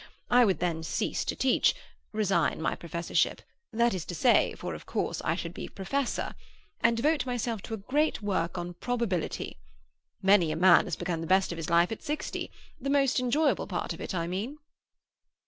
I would then cease to teach (resign my professorship—that is to say, for of course I should be professor), and devote myself to a great work on Probability. Many a man has begun the best of his life at sixty—the most enjoyable part of it, I mean."